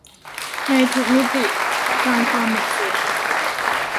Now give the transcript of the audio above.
ในทุกมิติตามความเหมาะสม